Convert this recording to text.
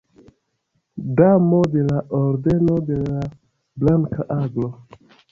Damo de la Ordeno de la Blanka Aglo.